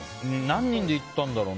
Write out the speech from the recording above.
何人で行ったんだろう。